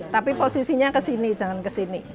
tapi posisinya kesini jangan kesini